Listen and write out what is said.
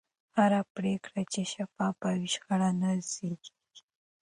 هره پرېکړه چې شفافه وي، شخړه نه زېږي.